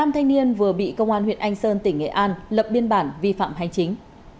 năm thanh niên vừa bị công an huyện anh sơn tỉnh nghệ an lập biên bản vi phạm hành chính